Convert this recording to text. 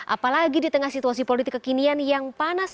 apalagi di tengah situasi politik kekinian yang panas